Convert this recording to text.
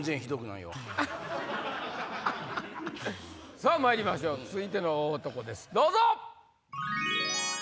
さぁまいりましょう続いての大男ですどうぞ！